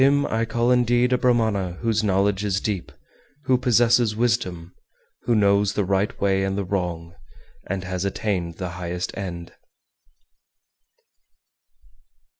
403. Him I call indeed a Brahmana whose knowledge is deep, who possesses wisdom, who knows the right way and the wrong, and has attained the highest end.